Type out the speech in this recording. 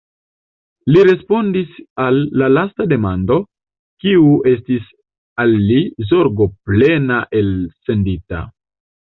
li respondis al la lasta demando, kiu estis al li zorgoplena elsendita.